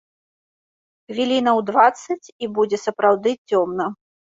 Хвілінаў дваццаць і будзе сапраўды цёмна.